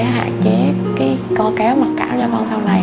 hạn chế cái co kéo mặt cảm cho con sau này